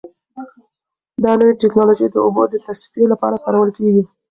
دا نوې ټیکنالوژي د اوبو د تصفیې لپاره کارول کیږي.